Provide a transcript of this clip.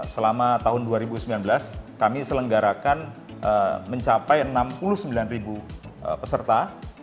selama tahun dua ribu sembilan belas kami selenggarakan mencapai enam puluh sembilan peserta